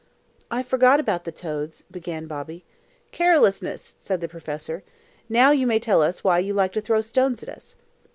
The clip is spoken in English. "I forgot about the toads," began Bobby. "Carelessness!" said the professor. "Now you may tell us why you like to throw stones at us."